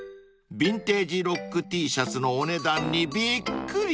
［ヴィンテージロックＴシャツのお値段にびっくり！］